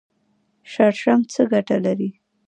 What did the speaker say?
شړشم څه ګټه لري؟